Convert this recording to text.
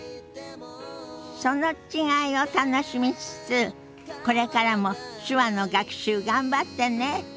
その違いを楽しみつつこれからも手話の学習頑張ってね。